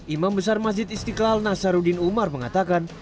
imam besar masjid istiqlal nasaruddin umar mengatakan